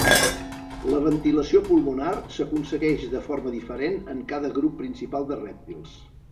La ventilació pulmonar s'aconsegueix de forma diferent en cada grup principal de rèptils.